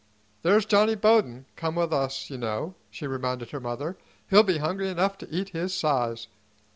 "There's Johnny Bowden come with us, you know," she reminded her mother. "He'll be hungry enough to eat his size."